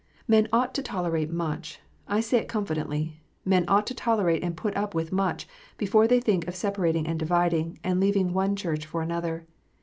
Men ought to tolerate much, I say it confidently, men ought to tolerate and put up with much, before they think of separating and dividing, and leaving one Church for another.